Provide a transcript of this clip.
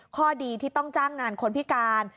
ข้อดีที่ต้องจ้างงานคนพิการ